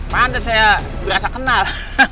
pantes saya berasa kenal